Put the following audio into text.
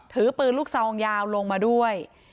ถือปืนลูกซองยาวลงมาด้วย